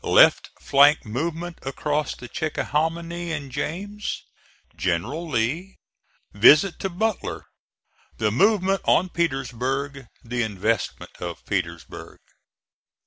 LEFT FLANK MOVEMENT ACROSS THE CHICKAHOMINY AND JAMES GENERAL LEE VISIT TO BUTLER THE MOVEMENT ON PETERSBURG THE INVESTMENT OF PETERSBURG.